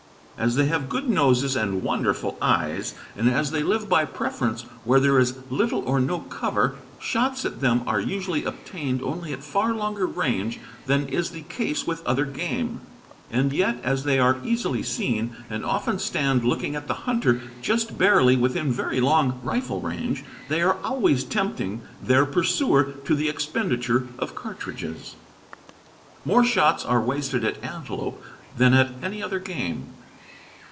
As they have good noses and wonderful eyes, and as they live by preference where there is little or no cover, shots at them are usually obtained only at far longer range than is the case with other game; and yet, as they are easily seen, and often stand looking at the hunter just barely within very long rifle range, they are always tempting their pursuer to the expenditure of cartridges. More shots are wasted at antelope than at any other game.